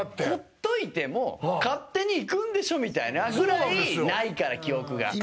ほっといても勝手にいくんでしょみたいなぐらいないから記憶が。